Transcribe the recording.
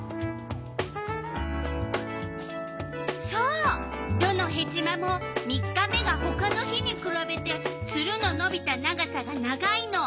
そうどのヘチマも３日目がほかの日にくらべてツルののびた長さが長いの。